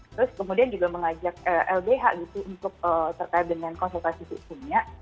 terus kemudian juga mengajak lbh gitu untuk terkait dengan konsultasi hukumnya